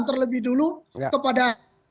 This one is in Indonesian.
terlebih dulu kepada